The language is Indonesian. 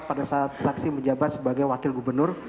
pada saat saksi menjabat sebagai wakil gubernur